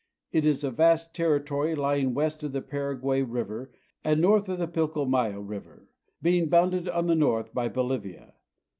It is a vast territory lying west of the Paraguay river and north of the Pilcomayo river, being bounded on the north by Bolivia.